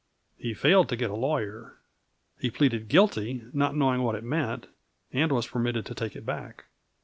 He failed to get a lawyer. He pleaded guilty, not knowing what it meant, and was permitted to take it back.